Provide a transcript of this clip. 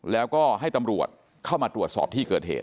แล้วก็ให้ตำรวจเข้ามาตรวจสอบที่เกิดเหตุ